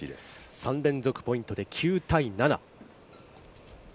３連続ポイントで９対７。